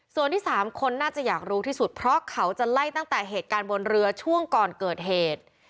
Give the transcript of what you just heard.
ส่วนที่สามคนน่าจะอยากรู้ที่สุดเพราะเขาจะไล่ตั้งแต่เหตุการณ์บนเรือช่วงก่อนเกิดเหตุ